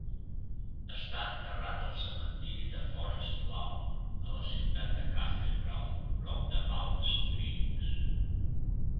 Està enterrat al cementiri de Forest Lawn, a la ciutat de Cathedral, prop de Palm Springs.